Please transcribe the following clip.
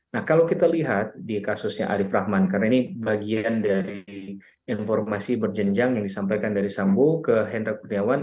nah kalau kita lihat di kasusnya arief rahman karena ini bagian dari informasi berjenjang yang disampaikan dari sambo ke hendra kurniawan